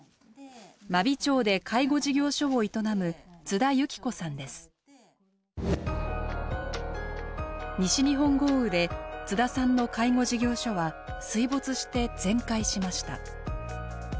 真備町で介護事業所を営む西日本豪雨で津田さんの介護事業所は水没して全壊しました。